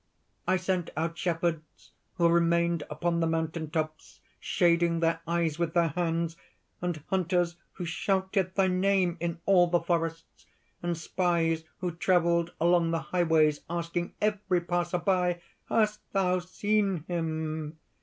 I sent out shepherds, who remained upon the mountain tops, shading their eyes with their hands and hunters who shouted thy name in all the forests and spies who travelled along the highways, asking every passer by: "'Hast thou seen him?'